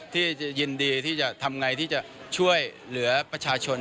ที่จะยินดีที่จะทำไงที่จะช่วยเหลือประชาชน